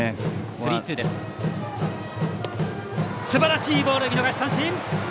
すばらしいボール、見逃し三振！